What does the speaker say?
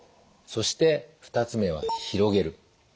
そして２つ目は広げる。